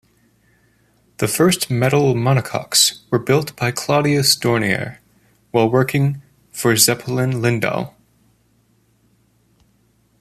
The first metal monocoques were built by Claudius Dornier, while working for Zeppelin-Lindau.